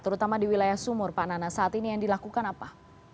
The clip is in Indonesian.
terutama di wilayah sumur pak nana saat ini yang dilakukan apa